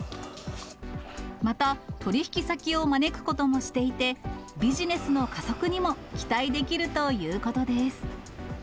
また、取り引き先を招くこともしていて、ビジネスの加速にも期待できるということです。